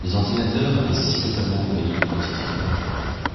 les ordinateurs avaient si totalement envahi le quotidien